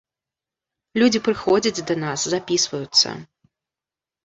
Людзі прыходзяць да нас, запісваюцца.